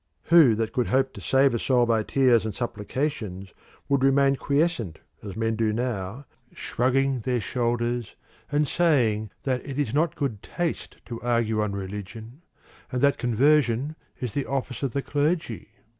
Who that could hope to save a soul by tears and supplications would remain quiescent as men do now, shrugging their shoulders and saying that it is not good taste to argue on religion, and that conversion is the office of the clergy?